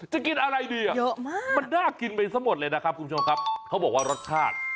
จะกินอะไรดีอ่ะมันน่ากินไปสมมติเลยนะครับคุณผู้ชมครับเขาบอกว่ารสชาติ